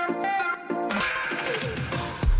สวัสดีครับ